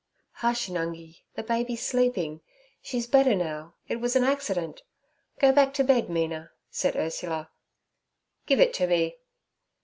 'Hush, Nungi! the baby's sleeping; she's better now. It was an accident. Go back to bed, Mina' said Ursula. 'Give it to me.'